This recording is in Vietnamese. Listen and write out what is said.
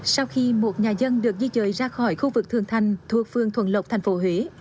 sau khi một nhà dân được di rời ra khỏi khu vực thượng thành thuộc phương thuận lộc thành phố huế